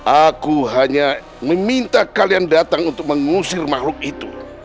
aku hanya meminta kalian datang untuk mengusir makhluk itu